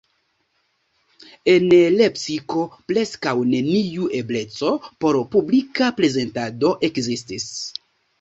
En Lepsiko preskaŭ neniu ebleco por publika prezentado ekzistis.